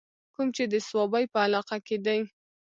کوم چې د صوابۍ پۀ علاقه کښې دے